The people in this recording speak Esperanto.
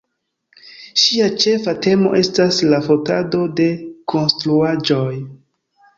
Ŝia ĉefa temo estas la fotado de konstruaĵoj.